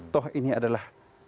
toh ini adalah